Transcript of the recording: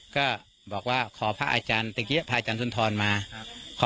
ก็บอกว่าขอพระอาจารย์เดี๋ยวพระอาจารย์ทุนทรมาครับ